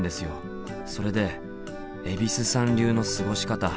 それで蛭子さん流の過ごし方